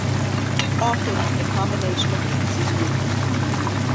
Often a combination of these is used.